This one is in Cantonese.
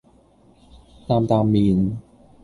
擔擔麵